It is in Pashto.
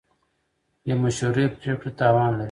بې مشورې پرېکړه تاوان لري.